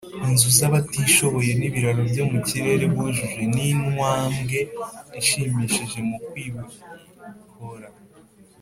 Inzu z’abatishoboye n’ibiraro byo mu kirere bujuje ni intwambwe ishimishije mu kwibihora